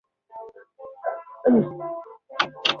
中殿还有雅格布瓜拉纳的作品。